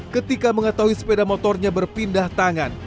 ketika mengetahui sepeda motornya berpindah tangan